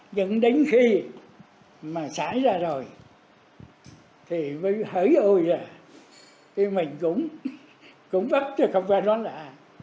nhưng đến khi mà xảy ra rồi thì mới hỡi ôi là thì mình cũng cũng bắt cho không phải nói lạ